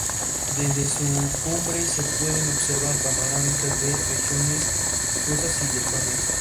Desde su cumbre se pueden observar panorámicas de regiones rusas y letonas.